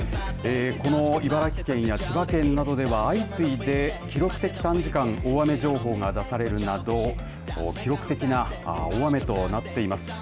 この茨城県や千葉県などでは相次いで記録的短時間大雨情報が出されるなど記録的な大雨となっています。